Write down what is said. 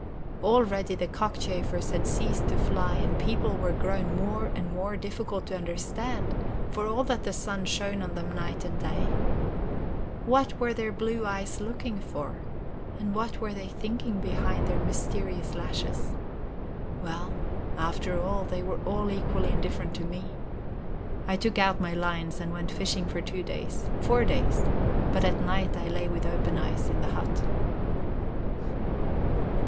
Already the cockchafers had ceased to fly, and people were grown more and more difficult to understand, for all that the sun shone on them day and night. What were their blue eyes looking for, and what were they thinking behind their mysterious lashes? Well, after all, they were all equally indifferent to me. I took out my lines and went fishing for two days, four days; but at night I lay with open eyes in the hut...